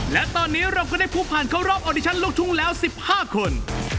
และตอนนี้เราก็ได้ผู้ผ่านเข้ารอบออดิชันลูกทุ่งแล้ว๑๕คน